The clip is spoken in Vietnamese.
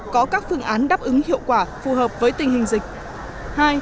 có các phương án đáp ứng hiệu quả phù hợp với tình hình dịch